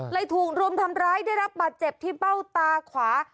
ถูกรุมทำร้ายได้รับบาดเจ็บที่เบ้าตาขวา